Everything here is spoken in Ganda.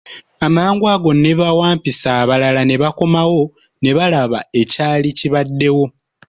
Amangu ago ne bawampisi abalala ne bakomawo ne balaba ekyali kibaddewo.